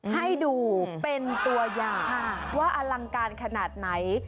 ให้ดูเป็นตัวอย่างว่าอลังการขนาดไหน